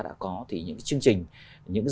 đã có thì những cái chương trình những cái